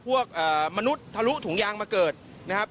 มนุษย์ทะลุถุงยางมาเกิดนะครับ